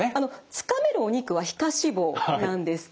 つかめるお肉は皮下脂肪なんですけれども。